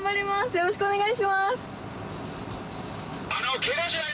よろしくお願いします。